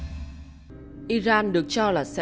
iran được truyền thông qua các cơ sở hạt nhân của iran